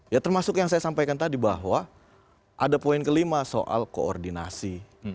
ya termasuk yang saya sampaikan tadi bahwa ada poin kelima soal koordinasi